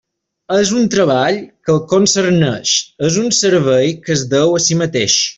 És un treball que el concerneix, és un servei que es deu a si mateix.